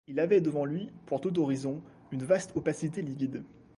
Il avait devant lui, pour tout horizon, une vaste opacité livide.